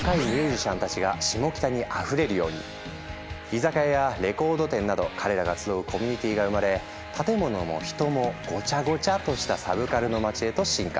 その後居酒屋やレコード店など彼らが集うコミュニティーが生まれ建物も人も「ごちゃごちゃ」としたサブカルの街へと進化。